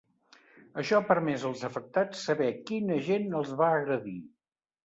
Això ha permès als afectats saber quin agent els va agredir.